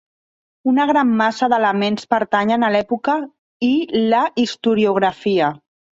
Una gran massa d’elements pertanyen a l’època i la historiografia.